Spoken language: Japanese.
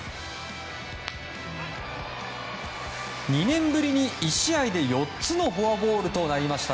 ２年ぶりに１試合で４つのフォアボールとなりました。